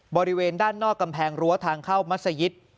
บริเวณด้านนอกกำแพงรั้วทางเข้ามัศยิต